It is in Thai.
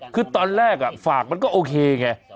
คือตอนแรกฝากมันก็โอเคไง